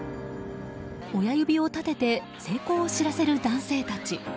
親指を立てて成功を知らせる男性たち。